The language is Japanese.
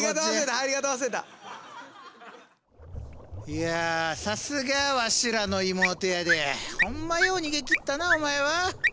いやさすがわしらの妹やでホンマよう逃げきったなお前は。